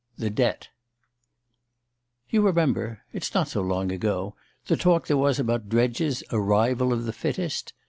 THE DEBT I YOU remember it's not so long ago the talk there was about Dredge's "Arrival of the Fittest"?